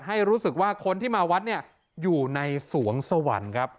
ให้รู้สึกว่าคนที่มาวัดเนี่ยอยู่ในสวงสวรรค์ครับ